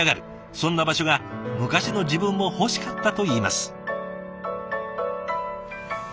そんな場所が昔の自分も欲しかったといいます。